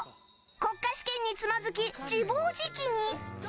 国家試験につまずき自暴自棄に。